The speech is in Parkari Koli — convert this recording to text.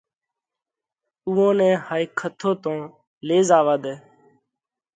اُوئون نئہ هائي کٿو تو لي زاوا ۮئہ۔